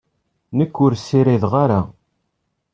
Nekk ur ssirideɣ ara.